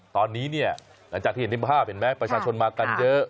ตอนนี้เนี่ยหลังจากที่เห็นในภาพเห็นไหมประชาชนมากันเยอะ